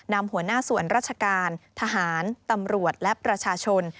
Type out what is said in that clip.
นำหัวหน้าส่วนราชการทหารตำรวจและประชาชน